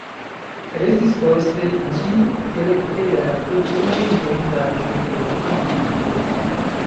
Restis post ĝi kelke da kulturaj memorindaĵoj kaj loka nomigo.